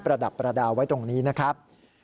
ระดับประดาษไว้ตรงนี้นะครับ